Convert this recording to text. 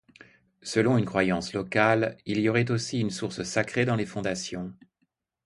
Selon une croyance locale, il y aurait aussi une source sacrée dans les fondations.